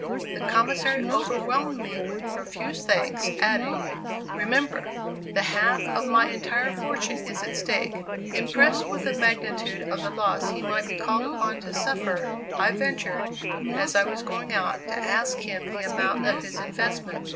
The Commissary overwhelmed me with profuse thanks, adding: "Remember, the half of my entire fortune is at stake." Impressed with the magnitude of the loss he might be called upon to suffer, I ventured, as I was going out, to ask him the amount of his investment.